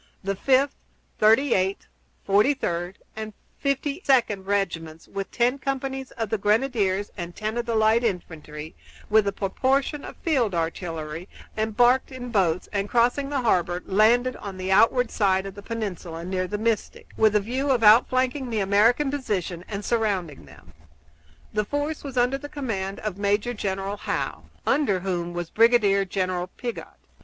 The Fifth, Thirty eighth, Forty third, and Fifty second regiments, with ten companies of the grenadiers and ten of the light infantry, with a proportion of field artillery, embarked in boats, and, crossing the harbor, landed on the outward side of the peninsula, near the Mystic, with a view of outflanking the American position and surrounding them. The force was under the command of Major General Howe, under whom was Brigadier General Piggott.